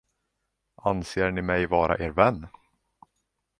Anser ni mig vara er vän?